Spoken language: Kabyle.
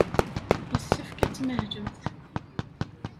Yessefk ad tmahlemt.